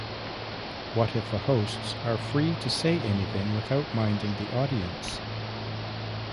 What if the hosts are free to say anything without minding the audience?